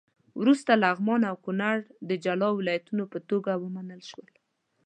وروسته لغمان او کونړ د جلا ولایتونو په توګه ومنل شول.